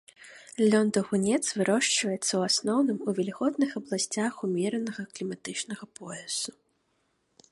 Лён-даўгунец вырошчваецца ў асноўным у вільготных абласцях умеранага кліматычнага поясу.